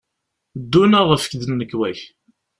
Ddu neɣ efk-d nnekwa-k!